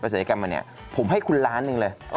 ศัลยกรรมมาเนี่ยผมให้คุณล้านหนึ่งเลย